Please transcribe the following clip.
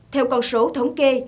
theo con số thống kê